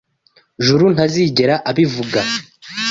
Juru ntazigera abivuga.